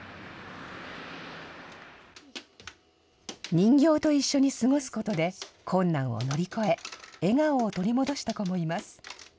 人形と一緒に過ごすことで、困難を乗り越え、笑顔を取り戻した子もいます。